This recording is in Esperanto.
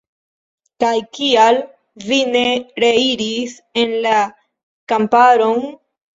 Kaj kial vi ne reiris en la kamparon?